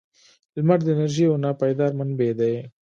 • لمر د انرژۍ یو ناپایدار منبع دی.